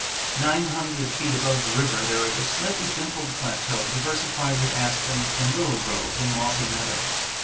Nine hundred feet above the river there is a slightly dimpled plateau diversified with aspen and willow groves and mossy meadows.